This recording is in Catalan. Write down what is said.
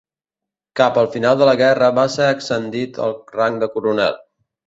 Cap al final de la guerra va ser ascendit al rang de coronel.